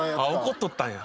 怒っとったんや。